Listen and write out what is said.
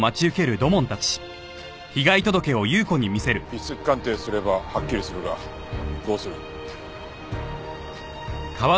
筆跡鑑定すればはっきりするがどうする？